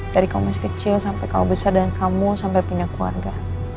dari kamu masih kecil sampai kau besar dan kamu sampai punya keluarga